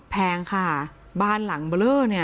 แพงค่ะบ้านหลังเบลอเนี่ย